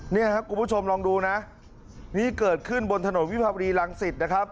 นี่ครับคุณผู้ชมลองดูนะนี่เกิดขึ้นบนถนนวิภาวรีรังสิตนะครับ